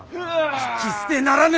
聞き捨てならぬ！